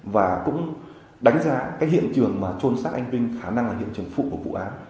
và cũng đánh giá cái hiện trường mà trôn xác anh vinh khả năng là hiện trường phụ của vụ án